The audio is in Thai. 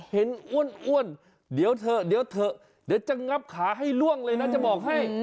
อ้วนเดี๋ยวเถอะเดี๋ยวเถอะเดี๋ยวจะงับขาให้ล่วงเลยนะจะบอกให้